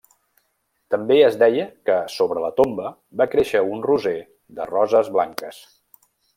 També es deia que sobre la tomba va créixer un roser de roses blanques.